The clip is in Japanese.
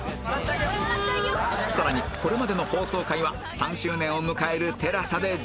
さらにこれまでの放送回は３周年を迎える ＴＥＬＡＳＡ でぜひ！